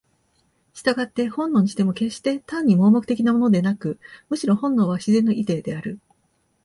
従って本能にしても決して単に盲目的なものでなく、むしろ本能は「自然のイデー」である。